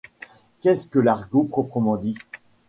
Qu’est-ce que l’argot proprement dit ?